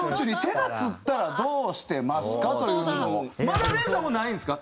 まだＲｅＮさんもないんですか？